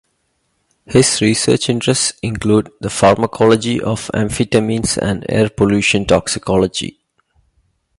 His research interests include the pharmacology of amphetamines and air pollution toxicology.